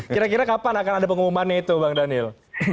kira kira kapan akan ada pengumumannya itu bang daniel